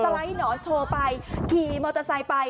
ไลด์หนอนโชว์ไปขี่มอเตอร์ไซค์ไป